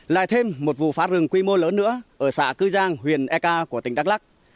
lại thêm một vụ phá rừng quy mô lớn nữa ở xã cư giang huyện eka của tỉnh đắk lắc